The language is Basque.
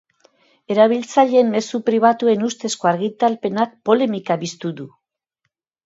Erabiltzaileen mezu pribatuen ustezko argitalpenak polemika piztu du.